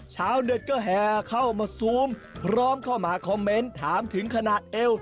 ชาวเน็ตก็แห่เข้ามาซูมพร้อมเข้ามาคอมเมนต์ถามถึงขนาดเอว